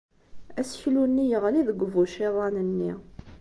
Aseklu-nni yeɣli deg ubuciḍan-nni.